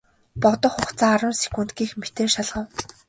Бодох хугацаа арван секунд гэх мэтээр шалгав.